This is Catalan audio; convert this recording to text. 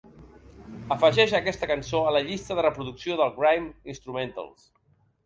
afegeix aquesta cançó a la llista de reproducció del grime instrumentals